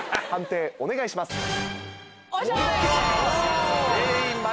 判定お願いします。